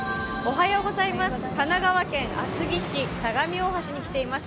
神奈川県厚木市相模大橋に来ています。